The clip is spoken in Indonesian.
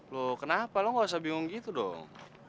loh kenapa lo gak usah bingung gitu dong